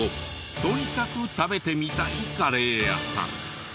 とにかく食べてみたいカレー屋さん。